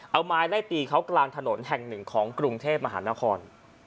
เอาไม้ไล่ตีเขากลางถนนแห่งหนึ่งของกรุงเทพมหานคร